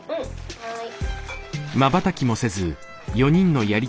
はい。